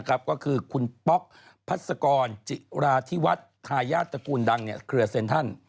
ก็คือคุณป๊อกพัศกรจิราธิวัฒน์ทายาทตระกูลดังเครือเซ็นทรัล